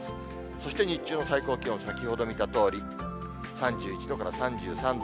そして日中の最高気温、先ほど見たとおり、３１度から３３度。